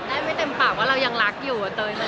มีคำตอบได้ไม่เต็มปากว่าเรายังรักอยู่